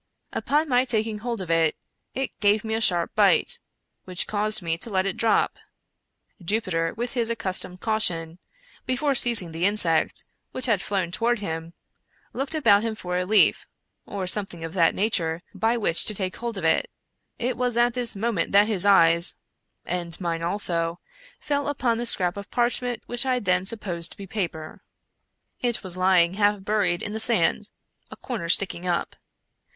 Upon my taking hold of it, it gave me a sharp bite, which caused me to let it drop. Jupiter, with his accustomed caution, before seizing the insect, which had flown toward him, looked about him for a leaf, or something of that nature, by which to take hold of it. It was at this moment that his eyes, and mine also, fell upon the scrap of parchment, which I then supposed to be paper. It was lying half buried in the sand, a corner sticking up.